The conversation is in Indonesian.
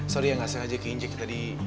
sorry yang gak sengaja diinjek tadi